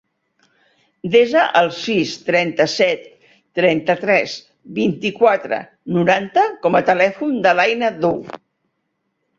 Desa el sis, trenta-set, trenta-tres, vint-i-quatre, noranta com a telèfon de l'Aina Du.